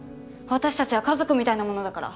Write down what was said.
私たちは家族みたいなものだから？